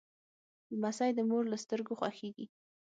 لمسی د مور له سترګو خوښیږي.